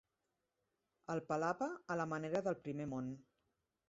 El pelava a la manera del primer món.